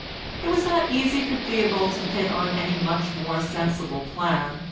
It was not easy for Theobald to hit on any much more sensible plan.